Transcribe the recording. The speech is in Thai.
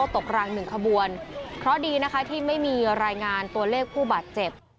ถ้าที่ไม่มีรายงานตัวเลขผู้บาดเจ็บ